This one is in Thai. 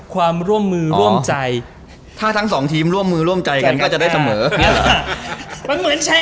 มันเหมือนแชร์กันไปป่ะ